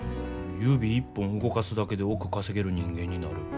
指一本動かすだけで億稼げる人間になる。